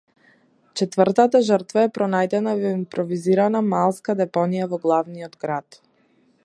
Четвртата жртва е пронајдена во импровизирана маалска депонија во главниот град.